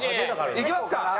いきますか？